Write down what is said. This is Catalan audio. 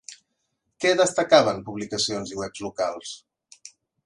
Què destacaven publicacions i webs locals?